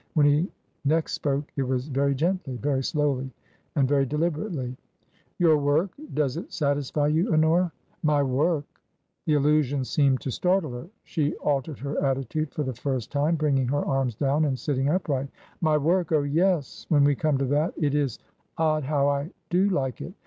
When he next spoke it was very gently, very slowly, and very deliberately. " Your work — does it satisfy you, Honora ?"" My work !" The allusion seemed to startle her. She altered her attitude for the first time, bringing her arms down and sitting upright. " My work ! Oh, yes, when we come to that. It is odd how I do like it!